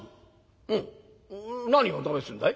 おお何を試すんだい？」。